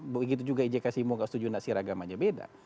begitu juga ijk simo gak setuju nadsir agamanya beda